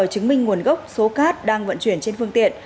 chứng minh nguồn gốc số cát đang vận chuyển trên phương tiện